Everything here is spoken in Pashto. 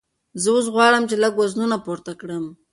زه اوس غواړم چې لږ وزنونه پورته کړم.